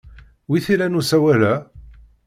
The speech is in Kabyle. Wi t-ilan usawal-a?